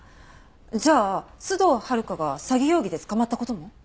じゃあ須藤温香が詐欺容疑で捕まった事も？